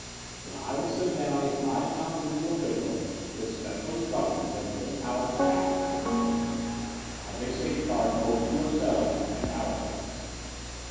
"Then I will send down a high confidential official with special instructions and full powers to act," said the Chief, "as a safeguard both to your selves and ourselves."